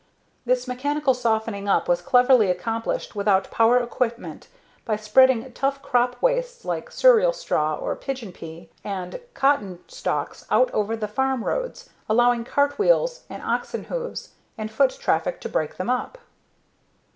This mechanical softening up was cleverly accomplished without power equipment by spreading tough crop wastes like cereal straw or pigeon pea and cotton stalks out over the farm roads, allowing cartwheels, the oxens' hooves, and foot traffic to break them up.